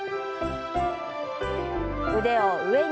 腕を上に。